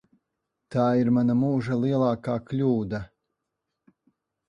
Tā ir mana mūža lielākā kļūda.